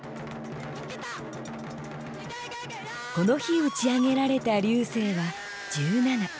この日打ち上げられた龍勢は１７。